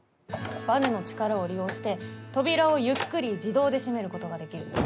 バネの力を利用して扉をゆっくり自動で閉めることができる。